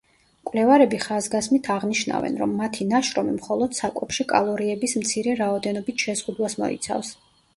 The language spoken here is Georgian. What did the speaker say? მკვლევარები ხაზგასმით აღნიშნავენ, რომ მათი ნაშრომი მხოლოდ საკვებში კალორიების მცირე რაოდენობით შეზღუდვას მოიცავს.